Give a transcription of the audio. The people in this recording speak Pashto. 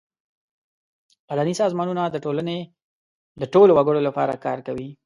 مدني سازمانونه د ټولنې د ټولو وګړو لپاره کار کوي.